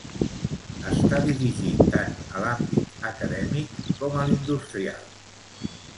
Està dirigit tant a l'àmbit acadèmic com a l'industrial.